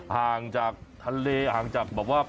ห่างจากทะเลห่างจากแบบว่า